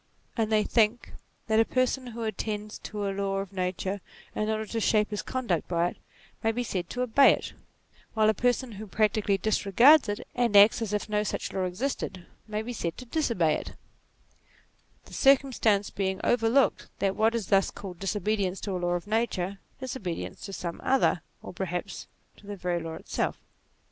And they think, that a person who attends to a law of nature in order to shape his conduct by it, may be said to obey it, while a person who practically disregards it, and acts as if no such law existed, may be said to disobey it : the circumstance being overlooked, that what is thus called disobedience to a law of nature is obedience to some other or perhaps to the very law itself.